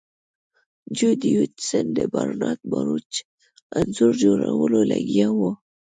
جو ډیویډ سن د برنارډ باروچ انځور جوړولو لګیا و